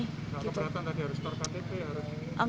tidak keberatan tadi harus terkati